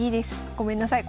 ごめんなさい